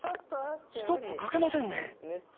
ストップかけませんね？